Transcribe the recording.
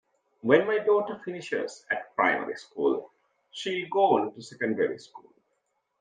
When my daughter finishes at primary school, she'll go on to secondary school